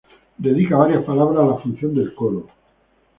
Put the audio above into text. Dedica varias palabras a la función del coro.